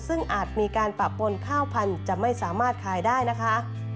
ซึ่งอาจมีการปะปนข้าวพันธุ์จะไม่สามารถขายได้นะคะ